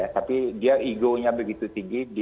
tapi dia egonya begitu tinggi